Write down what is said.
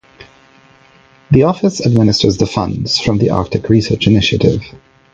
The office administers the funds from the Arctic Research Initiative.